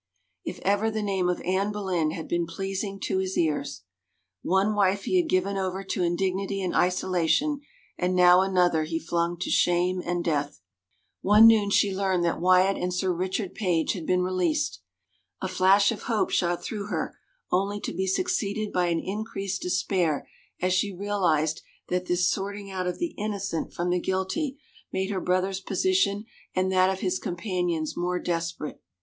... If ever the name of Anne Boleyn had been pleasing to his ears! ... One wife he had given over to indignity and isolation, and now another he flung to shame and death. One noon she learned that Wyatt and Sir Richard Page had been released. A flash of hope shot through her only to be succeeded by an increased despair as she realized that this sorting out of the innocent from the guilty made her brother's position and that of his compan ions more desperate.